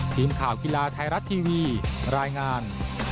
ทีมข่าวกีฬาไทยรัฐทีวีรายงาน